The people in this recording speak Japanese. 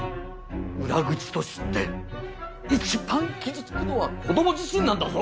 裏口と知って一番傷つくのは子供自身なんだぞ！